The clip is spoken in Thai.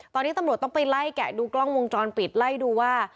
ตอนนี้ตำรวจต้องไปไล่แกะดูกล้องวงจรปิดไล่ดูว่า